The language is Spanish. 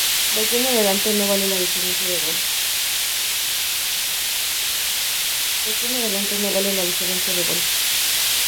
De aquí en adelante no vale la diferencia de gol.